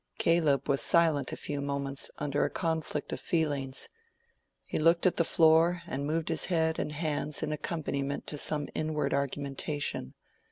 Caleb was silent a few moments under a conflict of feelings. He looked at the floor and moved his head and hands in accompaniment to some inward argumentation.